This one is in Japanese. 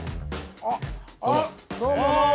あっあっどうもどうも。